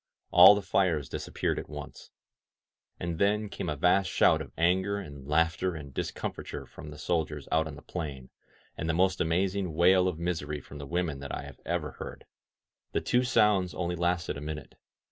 All the fires disappeared at once. And then came a vast shout of anger and laughter and discomfiture from the sol diers out on the plain, and the most amazing wail of misery from the women that I have ever heard. The 184 THE ARMY] AT YERMO two sounds only lasted a minute.